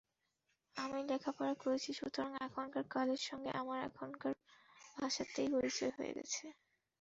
আমি লেখাপড়া করেছি, সুতরাং এখনকার কালের সঙ্গে আমার এখনকার ভাষাতেই পরিচয় হয়ে গেছে।